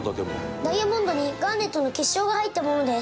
ダイヤモンドにガーネットの結晶が入ったものです。